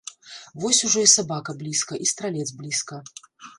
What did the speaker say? Вось ужо і сабака блізка, і стралец блізка.